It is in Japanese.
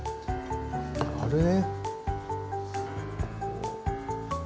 あれ。